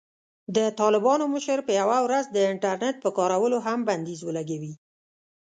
د طالبانو مشر به یوه ورځ د "انټرنېټ" پر کارولو هم بندیز ولګوي.